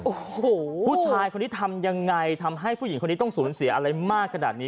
โอ้โหผู้ชายคนนี้ทำยังไงทำให้ผู้หญิงคนนี้ต้องสูญเสียอะไรมากขนาดนี้